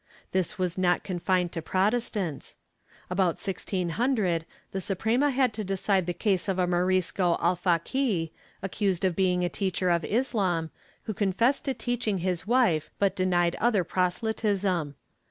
^ This was not confined to Protestants. About 1600, the Suprema had to decide the case of a Morisco alfaqui, accused of being a teacher of Islam, who con fessed to teaching his wife but denied other proselytism.